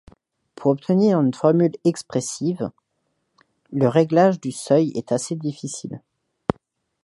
Pour obtenir une forme expressive, le réglage du seuil était assez difficile.